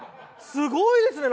すごいですね。